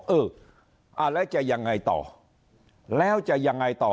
เอ้อแล้วจะยังไงต่อ